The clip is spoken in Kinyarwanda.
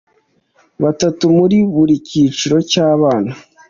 batatu muri buri cyiciro cy'abana,